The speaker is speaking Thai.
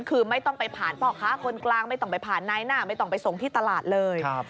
คือไม่ต้องไปผ่านพ่อค้าคนกลางไม่ต้องไปผ่านในหน้าไม่ต้องไปส่งที่ตลาดเลย